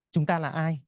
chúng ta là ai